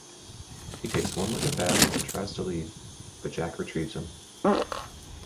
He takes one look at Babbs and tries to leave, but Jack retrieves him.